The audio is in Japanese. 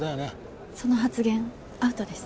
その発言アウトです。